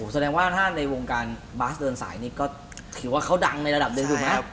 แสดงว่าถ้าในวงการบาสเดินสายนี่ก็ถือว่าเขาดังในระดับหนึ่งถูกไหม